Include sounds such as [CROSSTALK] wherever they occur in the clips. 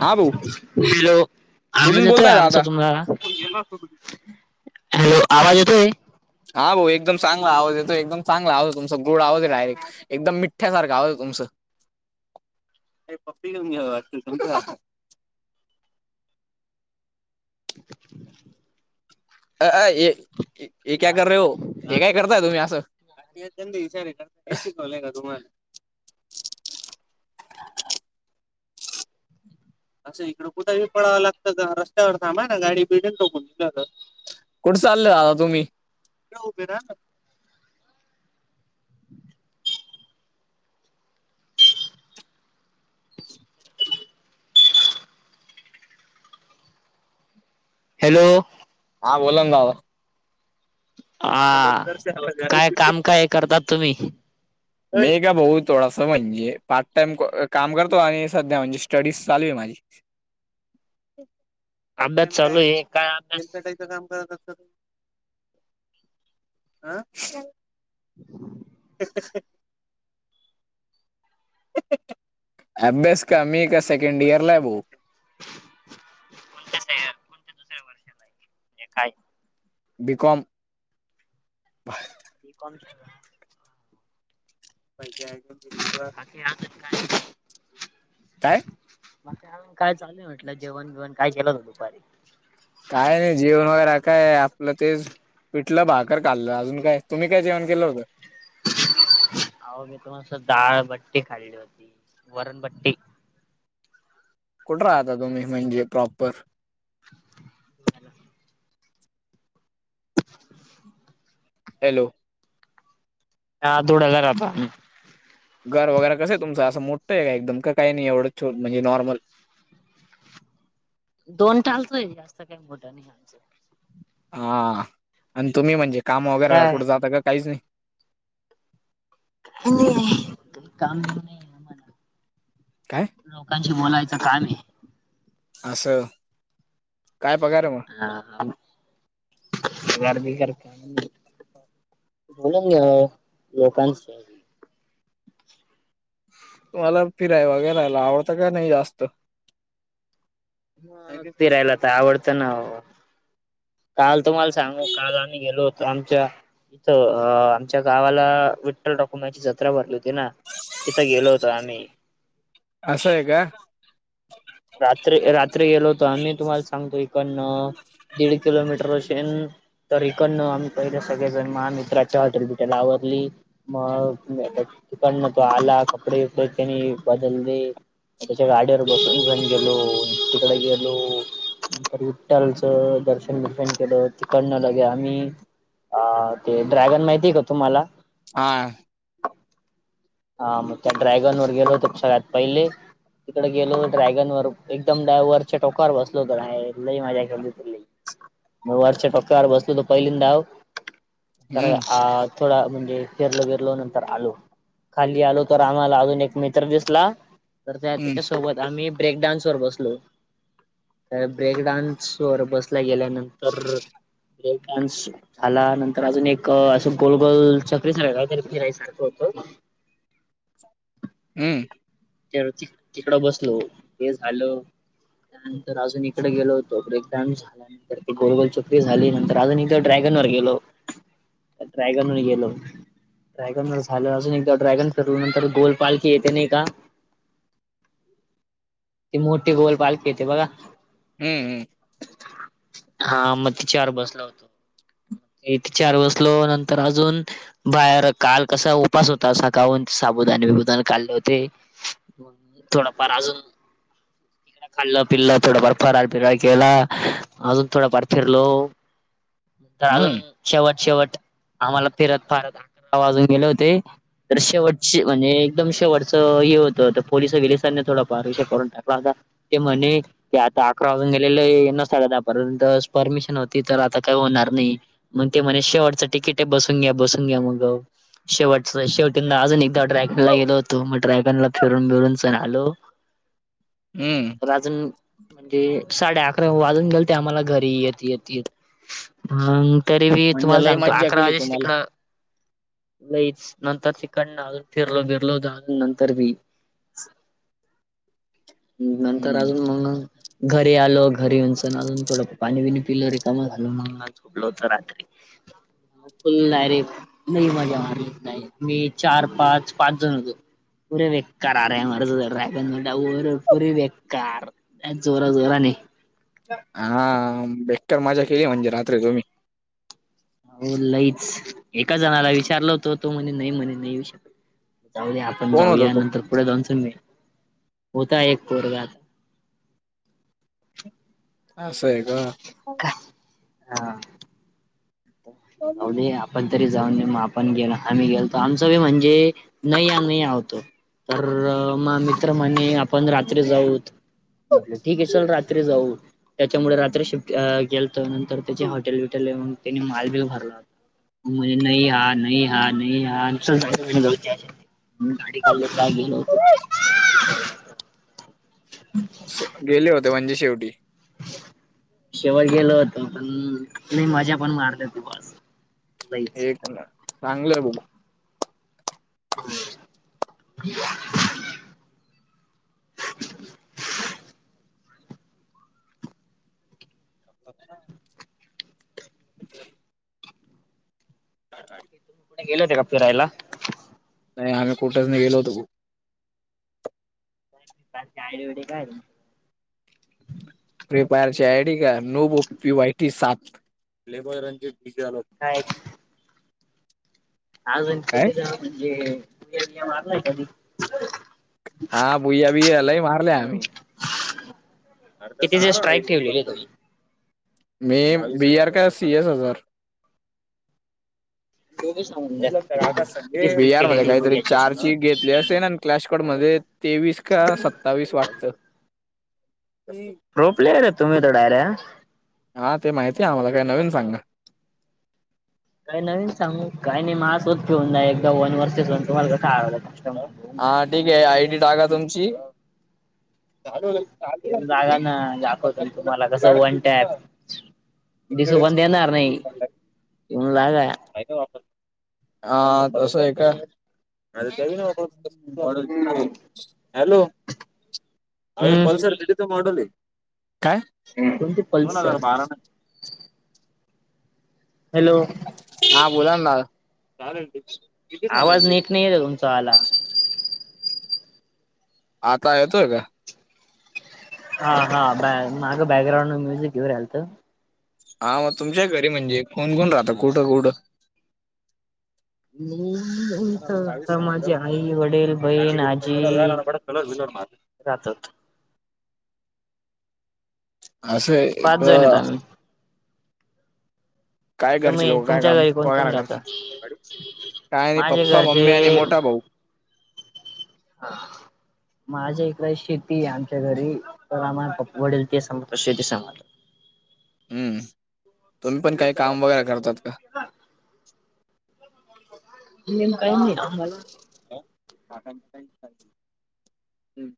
हा भाऊ हॅलो. आवाज कुठून येतोय बोलताय आमचा दादा. तुम्हाला हॅलो आवाज येतोय. हा भाऊ एकदम चांगला आवाज येतो, एकदम चांगला आवाज तुमचा गोड आवाज ये डायरेक्ट. एकदम मिठ्या सारखं आवाज ये तुमचं. [INAUDIBLE] [UNINTELLIGIBLE] हं [INAUDIBLE] अ अ, ये ये क्या कर रहे हो. हे काय करता तुम्ही असं, असे गंदे विचार करता शिकवलेय का तुम्हाला. [INAUDIBLE] अस इकडे कुठेही पळावं लागतं का, रस्त्यावर थांबा ना, गाडी भेटेल तुम्हाला. कुठ चाले ओ आता तुम्ही? [INAUDIBLE] हॅलो! हा बोला ना, दादा. हा काय काम काय करतात तुम्ही? नईग भाऊ थोडास म्हणजे पार्ट टाइम काम करतो, आणि सध्या म्हणजे स्टडीज चालू आहे माझी. [INAUDIBLE] [INAUDIBLE] अभ्यास चालू आहे, काय अभ्यास? काम करत असतात. आं [UNINTELLIGIBLE] अभ्यास का, मी का सेकंड इयर ला आहे भाऊ! कोणत्या कोणत्या दुसऱ्या वर्षात हे खाय. B com. B com. [UNINTELLIGIBLE] आणखी अजून काय? नाही. काय? मग काय चालूय म्हटलं, जेवण जेवण काय केलं हो दुपारी? काय नाही, जेवण वगैरे काय आपलं तेच. पिठलं भाकर खाल्लं, अजून काय तुम्ही काय जेवण केलं होतं? अहो मी तुम्हास डाळभट्टी खाल्ली होती, वरणभट्टी. कुठ राहता तुम्ही म्हणजे प्रॉपर? हॅलो! हा धुळ्याला राहतो आम्ही. घर वगैरे कसं आहे तुमंच? आस मोठं आहे का? एकदम काही नाही एवढं छोट म्हणजे नॉर्मल. दोन टालतोय, जास्त काही मोठा नाही घालचं. हा आणि तुम्ही म्हणजे, काम वगैरे काय कुठे जात का? काहीच नाही? [UNINTELLIGIBLE] काय? लोकांशी बोलायचं काम हाय? असं, काय पगार मग? हा हा पगार बिगर काय नाही. म्हणून गेलो लोकांचे. तुम्हाला फिराय वगैरेला आवडत का नाही जास्त? हम्म, फिरायला आवडतं ना हो. काल तुम्हाला सांगू, काल आम्ही गेलो होत आमच्या इथं अ आमच्या गावाला विठ्ठल डॉक्युमेंट ची जत्रा भरली होती ना. तथं गेलो होत आम्ही. असं आहे काय? रात रात्री गेलो होत आम्ही, तुम्हाला सांगतो इकडनं. दीड किलोमीटर अशेन तर इकडन. पहिले सगळेजण महामित्राच्या हॉटेल बिटेला आवरली. मग तिकडंन आला तो आला, कपडे बिपडे त्यांनी बदले. त्यांच्या गाडीवर बसून [UNINTELLIGIBLE] गेलो तिकड गेलो. नंतर विठ्ठलचं दर्शन बिर्शन केलं, तिकडंन लगे आम्ही. अ.. ते ड्रॅयगन माहिती आहे का तुम्हाला. हा. हा, मग त्या ड्रॉयगन वर गेलोत सगळ्यात पहिले. तिकडं गेलो ड्रायगन वर एकदम, ड्रावयरच्या टोकांवर बसलो होतो लय मज्जा केली. मग वरच्या टप्प्यावर बसलो होतो पहिल्यांदाव. तर हम्म आ.. थोडा म्हणजे, फिरलो बिरलो नंतर आलो. खाली आलो तर आम्हाला अजून एक मित्र दिसला, तर त्या हम्म तेच्यासोबत आम्ही. ब्रेक डान्स वर बसलो, तर ब्रेक डान्स वर बसला गेल्या नंत तर ब्रेक डान्स. आला नंतर अजून एक असं, गोल गोल चक्री सारख तरी फिराय सारखं होतं. हम्म. तेळ तिकडं बसलो हे झालं. त्यानंतर अजून इकडे गेलो होतो, ब्रेक डान्स झाला. त्यानंतर गोलगोल चकरी झाली, नंतर अजून एकदा ड्रायगन वर गेलो. ड्रायगन वर गेलो. ड्रायगन वर झालं अजून एकदा ड्रायगन फिरलो, नंतर गोलपालखी येते नाही का. ती मोठी गोल पालखी येते बघा. हम्म हम्म. हा मग तिच्यावर बसलो होतो. इथे चार वर बसलो नंतर अजून. बाहेर काल कसा उपास होता, सकाळून साबुदानी बिबुदाने खाले होते. थोडाफार अजून, खाल्ला पिल्ला थोडं फार फराळ बिराळ केला. अजून थोडं फार फिरलो. नंतर अजून, हम्म शेवट शेवट आम्हांला फिरत फारत आकरा वाजून गेले होते. तर शेवटचे म्हणजे एकदम शेवटचं ये होतं. पोलिस बिलंसानी थोडा पार विषय करून टाकला होता. ते म्हणे, की आता अकरा वाजून गेलेलेय ना साडेदहा पर्यंत परमिशन होती, तर आता काही होणार नाही. मग ते म्हणे शेवटचं तिकीट आहे, बसून घ्या बसून घ्या म्हणलो. शेवटच शेवटी अजून एकदा, ड्रायगन ला गेल होतो मग ड्रॅगनला. फिरून बिरून चण आलो. हम्म तर अजून, म्हणजे साडे अकरा वाजून गेलते, आम्हाला घरी येत येत मगं. तरी बी म्हणजे तुम्हाला लय सांगतो, मज्जा अकरा केली वाजेशी तुम्हाला तिकडं. लईच नंतर तिकडन अजून, फिरलो बिरलो झालं नंतर बी. नंतर हम्म अजून मगं. घरी आलो घरी. येऊ चन थोडं पाणी बिणी पिलं, रिकाम झालो मग. झोपलो होतो रात्री, फुल डायरेक्ट. नाही माझ्या मारत नाही, मी चार पाच पाच जण होतो. पुरे व्य [UNINTELLIGIBLE] पुरी बेंकार आणि जोराजोराने. हा बेकार मजा केली म्हणजे रात्री तुम्ही. हो लईच एका जणाला विचारल होत. तो म्हणे नाही म्हणे नाही येऊ शकत. जाऊया आपण कोण होता जाऊया, तो नंतर पुढे जाऊन मी होता एक पोरं. हा अस आहे का हा [INAUDIBLE] आपण तरी जाऊन मग आपण गेल आम्ही गेलो आमचं बी म्हणजे नाहीया नाही या होतो. तर मग मित्र म्हणे आपण रात्री जाऊत. म ठीक आहे चल रात्री जाऊ. त्यांच्यामुळे रात्री शिफ्ट गेल तर नंतर त्याची हॉटेल बीटेल त्यानी मालबिल भरला. म्हणजे नाही हा नाही हा नाही हा म्हणलं चल जाऊ. म्हणुन गाडी काढली काल गेलो होतो. हम् [UNINTELLIGIBLE] गेले होते म्हणजे शेवटी. शेवट गेलो होतो, पण लय मजा पण मारली होती बॉस. एक नंबर चांगलं. [INAUDIBLE] [INAUDIBLE] [INAUDIBLE] तुम्ही गेल होते का फिरायला? नाही आम्ही कुठेच नाही गेलोत. कालची आयडी वैगेरे काढली. फ्री फायर ची आयडी का नो बो पी वायटी सात लेब [UNINTELLIGIBLE] काय अजून काय किती जण म्हणजे [UNINTELLIGIBLE] मारलाय कधी? हा बुया बिया लय मारल्या आम्ही. किती दिवस स्ट्राईक ठेवलेले तुम्ही? मी बी आर का सी एस एस. [UNINTELLIGIBLE] आ किती किती बि स्ट्रिक आर मध्ये केलेली काहीतरी बघूयाची चार स्ट्रिक ची घेतली असन. क्लॅशकाॅड मध्ये तेवीस का सत्तावीस वाटतं. झोपलेऱे तुंम्ही तर डाऱ्या. हा ते माहितीये आम्हाला काय नवीन सांगात. काही नवीन सांगू काही नाही मा सोबत घेऊन जाय एक दोन वर्षच तुम्हाला कस आवलं- हा ठीक आहे आयडी टाका तुमची. चालू येऊन चालूतुमची [INAUDIBLE] त्यात दुसरं कोण देणार नाही. लाग हा तसं आहे का? हॅलो पल्सर हम्म [INAUDIBLE] मॉडल आहे. काय? कोणती पल्सर? हॅलो! हा बोला ना दादा. आवाज नीट नाहीय येतय तुमचा वाला. आता येतोय का? हा हा बॅग माग बॅगग्रांड म्युझिक येऊ राहील. हा मग तुमच्या घरी म्हणजे, कोण कोण राहत कुठं? कुठं? [UNINTELLIGIBLE] तर माझी आई, वडील, बहीण, आजी. राहतात. आस हाय. पाच जण आहेत आम्ही. काय घरचे तुम्ही लोक काय तुमच्या काम घरी कोण कोण वगैरे राहता? करत? काय माझे पप्पा मम्मी आणि मोठा हो. हा. माझ्या इकडे शेती आमच्या घरी, तर आम्हा वडील तेच संभाळता शेती संभाळतात. हम्म तुम्ही पण काही काम वगैरे करतात का? हा. नियम काही नाही तुम्हाला. हम्.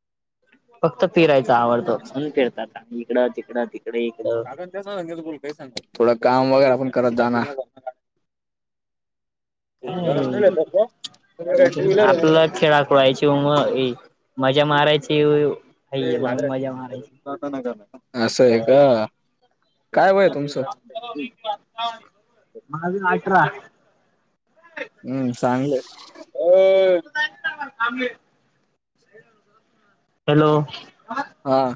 फक्त फिरायचं आवडतं, म्हणून फिरतात आणि इकडं तिकडं तिकडे. इकडं थोडं काम वगैरे पण करत जा ना. घरास नाही काय जातात का? आपला खेळा खुळयची उमर हे. मजा मारायची वेळ आहे ये मग मजा मारायची. असं आहे का? काय वय आहे तुमचं? हम्म माझ अठरा. हम्म चांगलं हे. [UNINTELLIGIBLE] हॅलो! हा.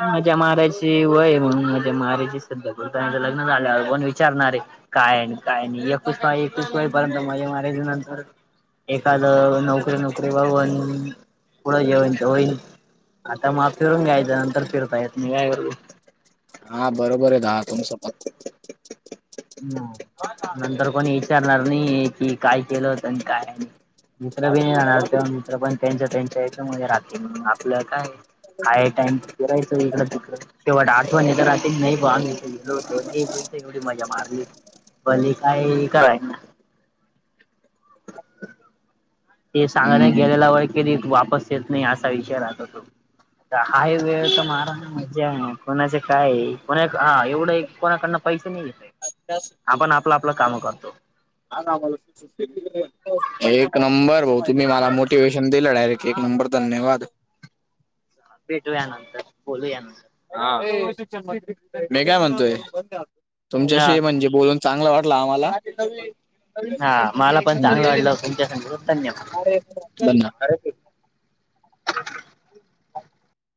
मजा माराची वय म्हणून, मजा माराची सध्या कारण की लग्न झाल्यावर कोण विचारणार आहे. काय हे काय नाही, ऐकवीस वय ऐकवीस वय पर्यंत मजा मारायची नंतर. एखाद नोकरी [UNINTELLIGIBLE] तेब अव पुढं जे होईल, ते होईन आता माफ फिरून घ्यायचं. फिरताय येत नाही काय करू? हा बरोबर आहे, दादा तुमच पण. नंतर कोणी विचारणार नाही, ये कि काय केलं आणि काय नाही. मित्र पण नाही राहणार मित्र पण त्यांच्या त्यांच्या ह्याच्यामध्ये राहतील. तिला काय हाय हा टाईम. फिरायचं इकंत तेव आठवणी नाही ब होतो बोल एवढी मजा मारत. [UNINTELLIGIBLE] भले काहीही करायचं. ते सांगा नाही हम्म गेलेला वेळ कली वापस येत नाही असा विषय राहतो तो. आहे जर तर मारा ना मज्जा, कोणाचा काय हाय परत एवढा. पैसे नाही येत. [UNINTELLIGIBLE] एक नंबर भाऊ, तुम्ही मला मोटिवेशन दिलं, डायरेक्ट एक नंबर धन्यवाद. भेटूया नंतर बोलू या नंतर. हा मी काय म्हणतोय हा तुमच्याशी म्हणजे. बोलून चांगला वाटला आम्हाला. हा मला पण हम्म. चांगलं वाटल, संघ धन्यवाद. [UNINTELLIGIBLE]